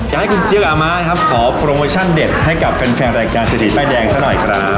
อยากให้คุณเจี๊ยกับอาม่านะครับขอโปรโมชั่นเด็ดให้กับแฟนรายการเศรษฐีป้ายแดงซะหน่อยครับ